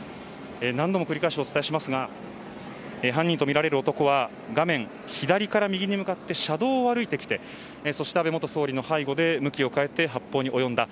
何度も繰り返しお伝えしますが犯人とみられる男は画面左から右に向かって車道を歩いてきてそして安倍元総理の背後で向きを変えて発砲に及んだ。